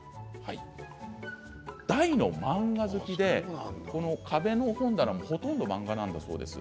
大の漫画好きで壁の本棚もほとんど漫画なんだそうです。